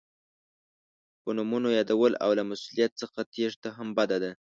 په نومونو یادول او له مسؤلیت څخه تېښته هم بده ده.